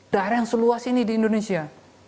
daerah yang seluas ini di indonesia